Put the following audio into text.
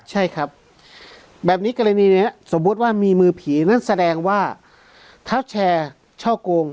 ใช่ครับแบบนี้กรณีนี้สมมุติว่ามีมือผีนั่นแสดงว่าเท้าแชร์ช่อโกง